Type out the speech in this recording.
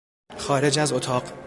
خارج از اتاق